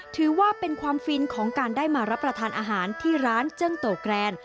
ถือว่าเป็นความฟินของการได้มารับประทานอาหารที่ร้านเจิ้งโตแกรน